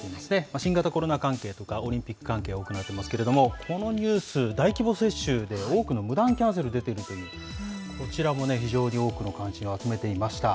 新型コロナ関係とか、オリンピック関係多くなっていますけれども、このニュース、大規模接種で多くの無断キャンセルが出ているという、こちらもね、非常に多くの関心を集めていました。